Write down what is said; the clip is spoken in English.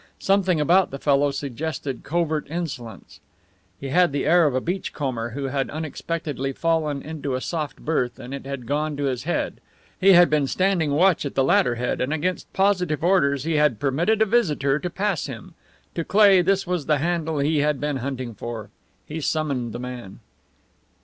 Something about the fellow suggested covert insolence; he had the air of a beachcomber who had unexpectedly fallen into a soft berth, and it had gone to his head. He had been standing watch at the ladder head, and against positive orders he had permitted a visitor to pass him. To Cleigh this was the handle he had been hunting for. He summoned the man.